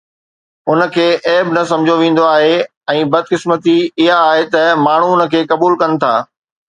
ان کي عيب نه سمجهيو ويندو آهي ۽ بدقسمتي اها آهي ته ماڻهو ان کي قبول ڪن ٿا.